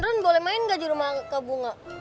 ron boleh main gak di rumah kak bunga